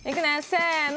せの！